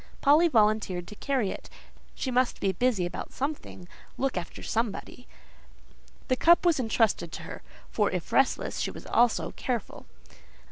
Polly volunteered to carry it: she must be busy about something, look after somebody. The cup was entrusted to her; for, if restless, she was also careful.